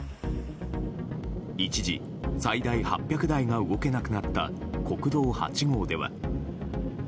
一時、最大８００台が動けなくなった国道８号では。